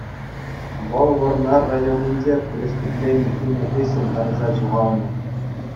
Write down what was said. Вӑл Вӑрнар районӗнче преступлени тунӑ хыҫҫӑн тарса ҫухалнӑ.